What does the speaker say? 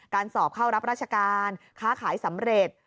สอบเข้ารับราชการค้าขายสำเร็จ